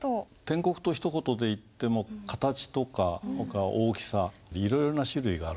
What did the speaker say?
篆刻とひと言でいっても形とか大きさいろいろな種類があるんですよ。